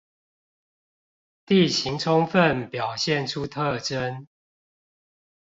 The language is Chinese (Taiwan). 地形充分表現出特徵